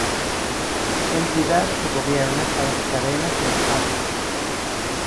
Entidad que gobierna a las Cadenas del Abyss.